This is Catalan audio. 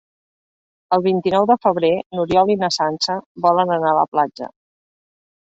El vint-i-nou de febrer n'Oriol i na Sança volen anar a la platja.